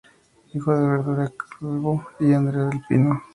Hijo de Ventura Calvo y Andrea del Pino.